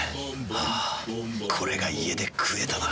あぁこれが家で食えたなら。